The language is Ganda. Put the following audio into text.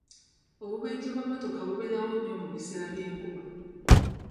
Obubenje bw'emmotoka bubeerawo nnyo mu biseera by'enkuba.